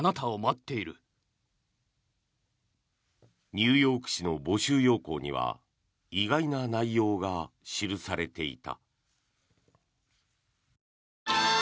ニューヨーク市の募集要項には意外な内容が記されていた。